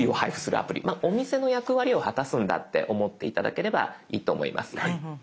まあお店の役割を果たすんだって思って頂ければいいと思います。